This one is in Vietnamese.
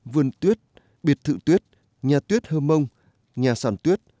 vườn tuyết biệt thự tuyết nhà tuyết hơ mông nhà sản tuyết